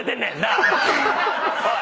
おい！